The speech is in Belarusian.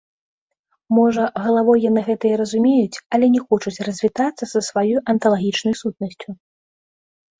Можа, галавой яны гэта і разумеюць, але не хочуць развітацца са сваёй анталагічнай сутнасцю.